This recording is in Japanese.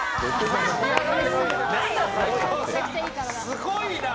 すごいな！